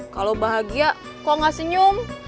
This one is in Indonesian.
kalau bahagia kok gak senyum